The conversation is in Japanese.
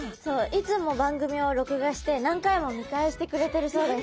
いつも番組を録画して何回も見返してくれてるそうです。